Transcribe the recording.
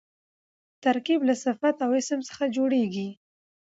ترکیب له صفت او اسم څخه جوړېږي.